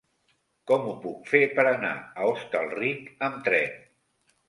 Com ho puc fer per anar a Hostalric amb tren?